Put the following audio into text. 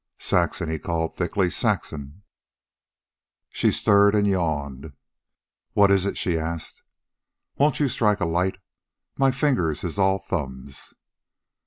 "Saxon," he called thickly. "Saxon." She stired and yawned. "What is it?" she asked. "Won't you strike a light? My fingers is all thumbs."